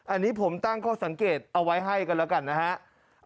อันนี้ผมตั้งข้อสังเกตเอาไว้ให้กันแล้วกันนะครับ